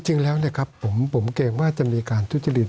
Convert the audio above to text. จริงแล้วนะครับผมเกรงว่าจะมีการทุจริต